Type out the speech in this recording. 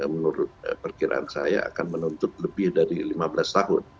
menurut perkiraan saya akan menuntut lebih dari lima belas tahun